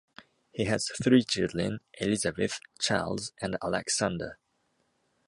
He has three children: Elizabeth, Charles, and Alexander.